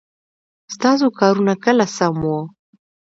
ستاسو کارونه کله سم وه ؟